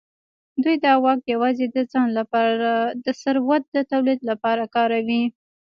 دوی دا واک یوازې د ځان لپاره د ثروت د تولید لپاره کاروي.